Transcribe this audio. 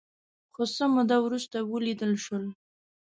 خو څه موده وروسته ولیدل شول